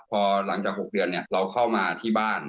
พอหลังจาก๖เดือนเราเข้ามาที่บ้าน